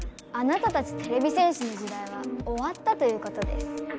あなたたちてれび戦士の時代はおわったということです。